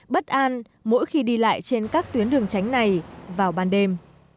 bất an mỗi khi đi lại trên các tuyến đường tránh này vào ban đêm